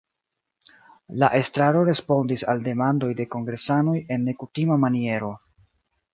La estraro respondis al demandoj de kongresanoj en nekutima maniero.